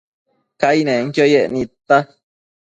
Cainenquio yec nidta